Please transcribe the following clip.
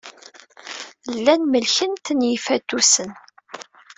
Llan melken-ten yifatusen.